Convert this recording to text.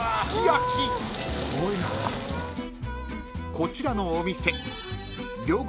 ［こちらのお店両国